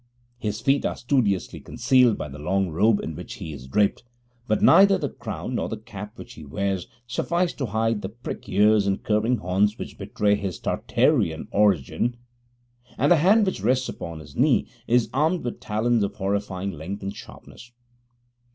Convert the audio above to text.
His feet are studiously concealed by the long robe in which he is draped: but neither the crown nor the cap which he wears suffice to hide the prick ears and curving horns which betray his Tartarean origin; and the hand which rests upon his knee is armed with talons of horrifying length and sharpness.